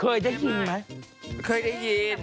เคยได้ยินไหมเคยได้ยิน